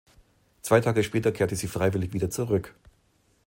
Zwei Tage später kehrte sie freiwillig wieder zurück.